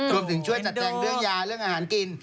ช่วยจัดแจงเรื่องยาเรื่องอาหารกิน